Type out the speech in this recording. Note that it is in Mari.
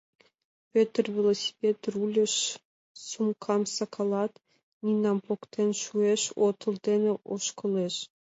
Пӧтыр велосипед рульыш сумкам сакалта, Нинам поктен шуэш, отыл дене ошкылеш.